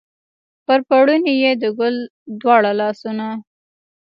پر پوړني یې د ګل دواړه لاسونه